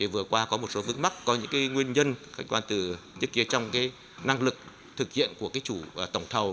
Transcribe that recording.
vừa qua có một số vững mắt có những nguyên nhân kết quả từ những năng lực thực hiện của chủ tổng thầu